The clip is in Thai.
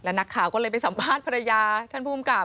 นักข่าวก็เลยไปสัมภาษณ์ภรรยาท่านภูมิกับ